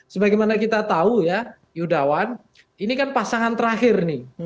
sebagaimana kita tahu ya yudawan ini kan pasangan terakhir nih